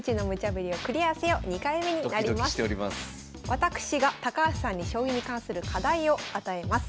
私が高橋さんに将棋に関する課題を与えます。